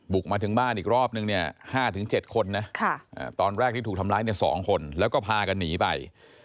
มาถึงบ้านอีกรอบนึงเนี่ย๕๗คนนะตอนแรกที่ถูกทำร้ายเนี่ย๒คนแล้วก็พากันหนีไป